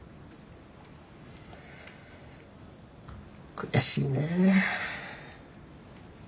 悔しいねえ。